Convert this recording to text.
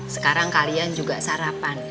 sekarang kalian juga sarapan